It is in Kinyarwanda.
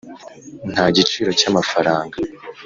nta giciro cy’amafaranga